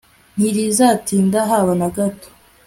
ntirizatinda haba nagato